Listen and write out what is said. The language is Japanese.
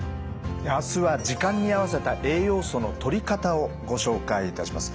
明日は時間に合わせた栄養素のとり方をご紹介いたします。